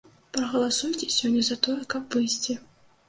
Прагаласуйце сёння за тое, каб выйсці.